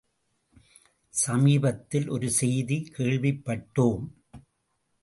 சமீபத்தில் ஒரு செய்தி கேள்விப்பட்டோம்.